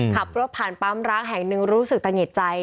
ขับรถผ่านปั๊มร้างแห่งหนึ่งรู้สึกตะเงียดใจ